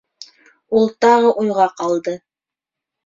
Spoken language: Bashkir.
— Ул тағы уйға ҡалды.